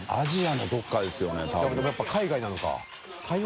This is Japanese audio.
野田）でもやっぱ海外なのか台湾？